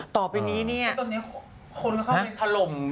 ตอนนี้คนเขาออกเจอทะลอ์โหลม